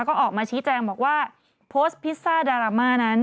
ก็ออกมาชี้แจงบอกว่าโพสต์พิซซ่าดราม่านั้น